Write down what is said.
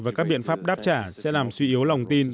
và các biện pháp đáp trả sẽ làm suy yếu lòng tin